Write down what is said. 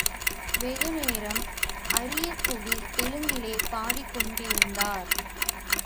வெகு நேரம் அரியக்குடி தெலுங்கிலே பாடிக் கொண்டிருந்தார்.